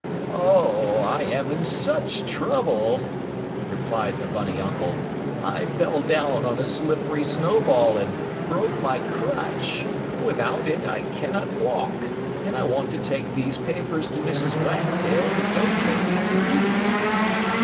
"Oh, I am in such trouble," replied the bunny uncle. "I fell down on a slippery snowball, and broke my crutch. Without it I cannot walk, and I want to take these papers to Mrs. Wagtail, the goat lady, to eat."